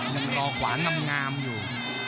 ยังรอขวางำงามอยู่